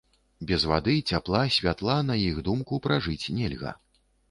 Без вады, цяпла, святла, на іх думку, пражыць нельга.